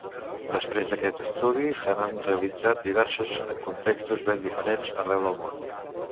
Després d’aquest estudi se n’han realitzat diversos en contextos ben diferents arreu del món.